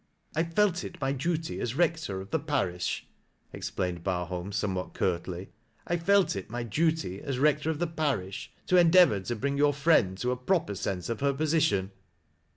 "I felt it my duty as Rector of the parish," explaineo Barholm somewhat curtly, " I felt it my duty as Rector of the parish, to endeavor to bring your friend to a proper sense of her position."